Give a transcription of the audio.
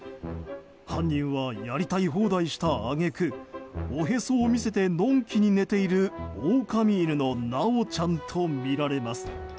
犯人は、やりたい放題した揚げ句おへそを見せてのんきに寝ている狼犬のナオちゃんとみられます。